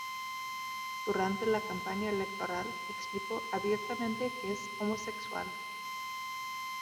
Durante la campaña electoral explicó abiertamente que es homosexual.